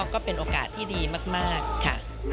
ก็เป็นโอกาสที่ดีมากค่ะ